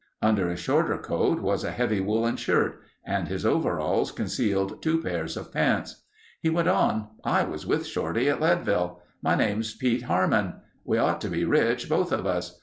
Under a shorter coat was a heavy woolen shirt and his overalls concealed two pairs of pants. He went on: "I was with Shorty at Leadville. My name's Pete Harmon. We ought to be rich—both of us.